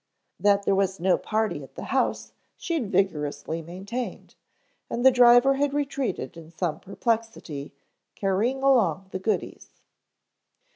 That there was no party at that house she had vigorously maintained, and the driver had retreated in some perplexity, carrying along the goodies.